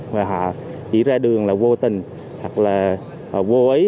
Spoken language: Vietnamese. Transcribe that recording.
mà họ chỉ ra đường là vô tình hoặc là vô ý